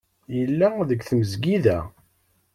Yella deg tmesgida.